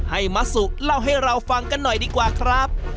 มะสุเล่าให้เราฟังกันหน่อยดีกว่าครับ